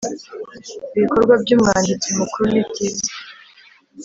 Ibikorwa by’Umwanditsi Mukuru nibyiza.